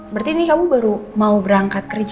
berarti ini kamu baru mau berangkat kerja